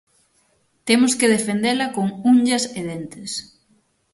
Temos que defendela con unllas e dentes.